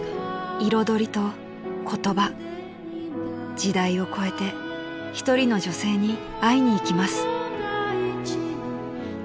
［時代を超えて１人の女性に会いに行きます］